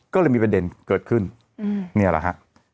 ก็เลยมีประเด็นเกิดขึ้นนี่แหละฮะ